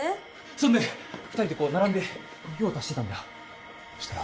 そんで２人でこう並んで用を足してたんだよしたら